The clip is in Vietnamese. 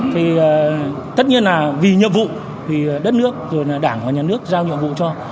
thì tất nhiên là vì nhiệm vụ thì đất nước rồi là đảng và nhà nước giao nhiệm vụ cho